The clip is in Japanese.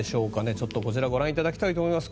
ちょっとこちらご覧いただきたいと思います。